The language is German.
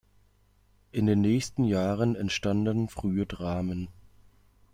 In den nächsten Jahren entstanden frühe Dramen.